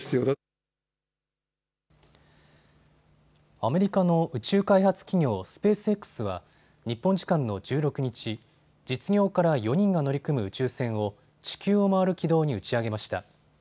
アメリカの宇宙開発企業、スペースＸは日本時間の１６日、実業家ら４人が乗り組む宇宙船を地球を回る軌道に打ち上げました。